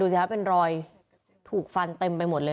สิคะเป็นรอยถูกฟันเต็มไปหมดเลย